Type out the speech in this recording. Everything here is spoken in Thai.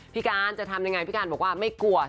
พี่การจะทำยังไงพี่การบอกว่าไม่กลัว